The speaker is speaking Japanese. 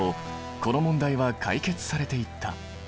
この問題は解決されていった。